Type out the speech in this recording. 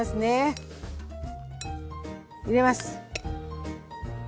入れます。